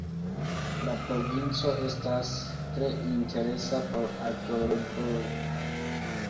La provinco estas tre interesa por arkeologoj.